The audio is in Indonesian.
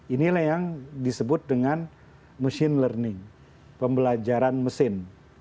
inilah yang disebut dengan machine learning pembelajaran mesin